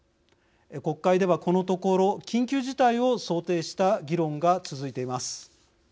国会では、このところ緊急事態を想定した議論が続いています。